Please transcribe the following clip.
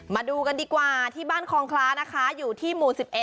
มาดูกันดีกว่าที่บ้านคลองคล้านะคะอยู่ที่หมู่๑๑